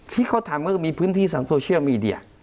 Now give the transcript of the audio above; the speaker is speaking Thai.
ที่เขาทำก็คือมีพื้นที่สรรโซเชียลมีเดีย